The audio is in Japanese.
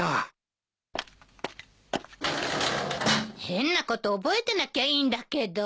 変なこと覚えてなきゃいいんだけど。